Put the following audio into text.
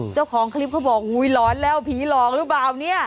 เจ้าของคลิปเขาบอกอุ้ยหลอนแล้วผีหลอกหรือเปล่าเนี่ย